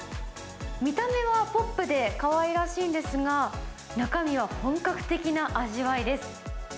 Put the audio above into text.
見た目はポップでかわいらしいんですが、中身は本格的な味わいです。